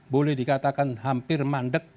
boleh dikatakan hampir mandiri